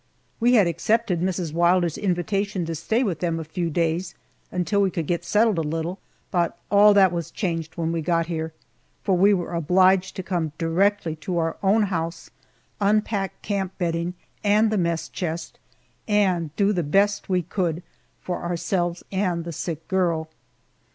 We had accepted Mrs. Wilder's invitation to stay with them a few days until we could get settled a little, but all that was changed when we got here, for we were obliged to come directly to our own house, unpack camp bedding and the mess chest, and do the best we could for ourselves and the sick girl.